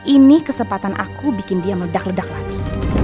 ini kesempatan aku bikin dia meledak ledak lagi